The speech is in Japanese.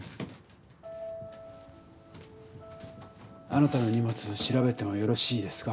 あなたの荷物調べてもよろしいですか？